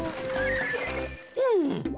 うん！